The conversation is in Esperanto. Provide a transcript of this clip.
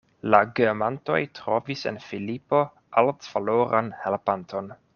La geamantoj trovis en Filipo altvaloran helpanton.